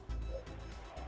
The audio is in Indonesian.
baik secara umum